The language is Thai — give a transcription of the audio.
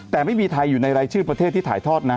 แต่ไม่มีใครอยู่ในรายชื่อประเทศที่ถ่ายทอดนะ